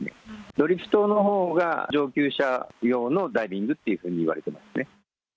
ドリフトのほうが上級者用のダイビングっていうふうにいわれてま